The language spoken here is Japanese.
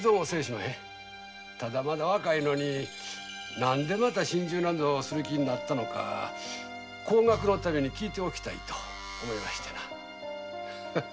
まだ若いのになんでまた心中なんかする気になったのか後学のために聞いておきたいと思いましてなハハハ。